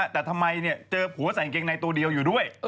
แต่ทำไมเจอผัวใส่อังในตัวเดียวอยู่ด้วย